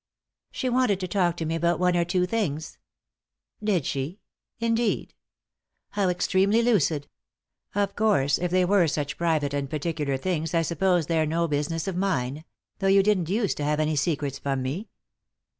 "She wanted to talk to me about one or two things." " Did she ? Indeed ? How extremely lucid I Oi course, if they were such private and particular things I suppose they're no business of mine — though you didn't use to have any secrets from me."